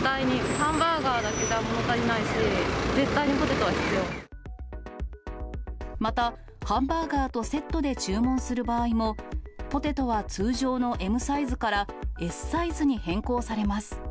ハンバーガーだけじゃもの足りないし、また、ハンバーガーとセットで注文する場合も、ポテトは通常のＭサイズからＳサイズに変更されます。